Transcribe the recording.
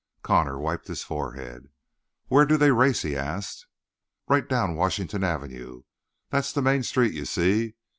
Connor wiped his forehead. "Where do they race?" he asked. "Right down Washington Avenue. That is the main street, y'see.